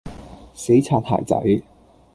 死擦鞋仔